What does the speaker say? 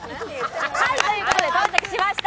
はい、ということで到着しました。